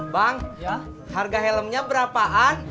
bang harga helmnya berapaan